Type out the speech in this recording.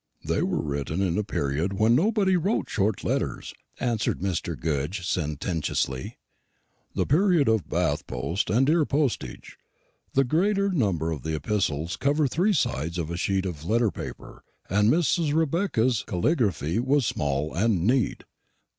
"They were written in a period when nobody wrote short letters," answered Mr. Goodge sententiously, "the period of Bath post and dear postage. The greater number of the epistles cover three sides of a sheet of letter paper; and Mrs. Rebecca's caligraphy was small and neat."